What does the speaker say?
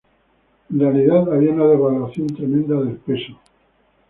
En realidad había una devaluación tremenda del peso.